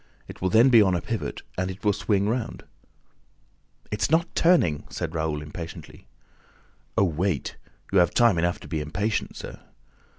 It will then be on a pivot and will swing round." "It's not turning!" said Raoul impatiently. "Oh, wait! You have time enough to be impatient, sir!